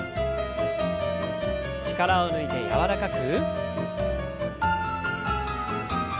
力を抜いて柔らかく。